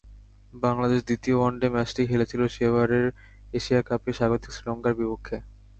বাংলাদেশ দ্বিতীয় ওয়ানডে ম্যাচটি খেলেছিল সেবারের এশিয়া কাপেই স্বাগতিক শ্রীলঙ্কার বিপক্ষে।